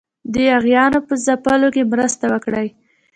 د یاغیانو په ځپلو کې مرسته وکړي.